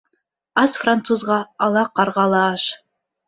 Ас французға ала ҡарға ла аш.